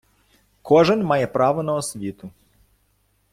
Кожен має право на освіту.